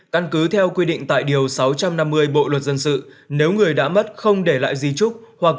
căn cứ theo quy định tại điều sáu trăm năm mươi bộ luật dân sự nếu người đã mất không để lại di trúc hoặc